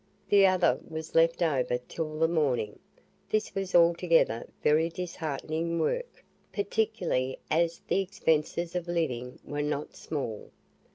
The other was left over till the next morning. This was altogether very disheartening work, particularly as the expenses of living were not small.